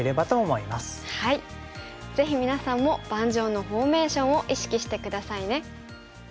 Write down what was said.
ぜひみなさんも盤上のフォーメーションを意識して下さいね。